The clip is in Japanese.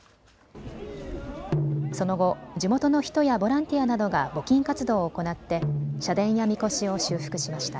その後、地元の人やボランティアなどが募金活動を行って社殿やみこしを修復しました。